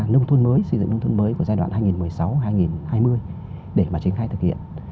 nông thôn mới xây dựng nông thôn mới của giai đoạn hai nghìn một mươi sáu hai nghìn hai mươi để mà triển khai thực hiện